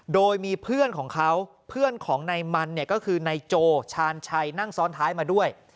โดยมีเพื่อนของเขาเพื่อนของนายมันเนี่ยก็คือนายโจชาญชัยนั่งซ้อนท้ายมาด้วย